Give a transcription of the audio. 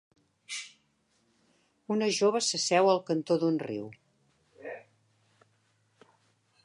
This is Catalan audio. Una jove s'asseu al cantó d'un riu.